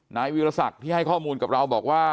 นายวิรสักที่ให้ข้อมูลกับเราบอกว่า